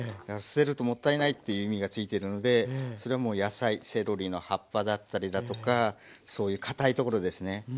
「捨てるともったいない」っていう意味がついてるのでそれはもう野菜セロリの葉っぱだったりだとかそういうかたいところですね